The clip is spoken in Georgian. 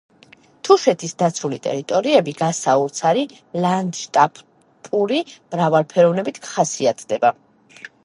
თუშეთის დაცული ტერიტორიები გასაოცარი ლანდშაფტური მრავალფეროვნებით ხასიათდება.